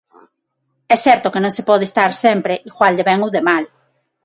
É certo que non se pode estar sempre igual de ben ou de mal.